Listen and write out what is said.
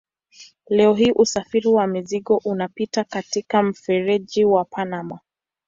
Leo hii usafiri wa mizigo unapita katika mfereji wa Panama.